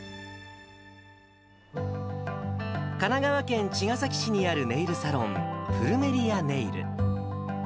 神奈川県茅ヶ崎市にあるネイルサロン、プルメリアネイル。